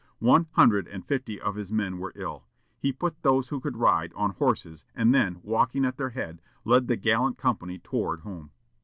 One hundred and fifty of his men were ill. He put those who could ride on horses, and then, walking at their head, led the gallant company toward home.